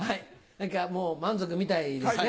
何かもう満足みたいですね。